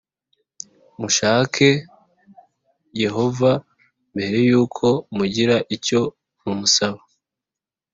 Mushake Yehova mbere yuko mugira icyo mumusaba